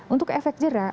untuk efek jerah